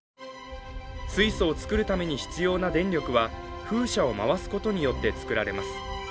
水素を作るために必要な電力は風車を回すことによって作られます。